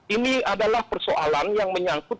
ini adalah persoalan yang menyangkut